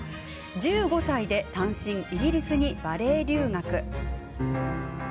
１５歳で単身イギリスにバレエ留学。